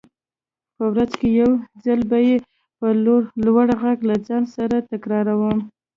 په ورځ کې يو ځل به يې په لوړ غږ له ځان سره تکراروم.